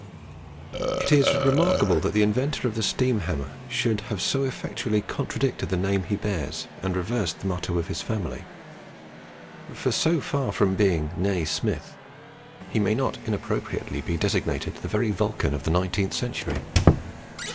It is remarkable that the inventor of the steam hammer should have so effectually contradicted the name he bears and reversed the motto of his family; for so far from being "Nae Smyth," he may not inappropriately be designated the very Vulcan of the nineteenth century.